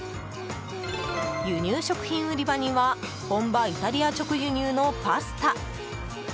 輸入食品売り場には本場イタリア直輸入のパスタ。